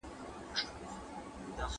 دغه کڅوڼه په رښتیا ډېره ارزښتمنه ده.